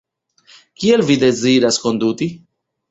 Kiel vi deziras konduti?